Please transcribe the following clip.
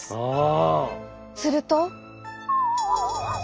すると。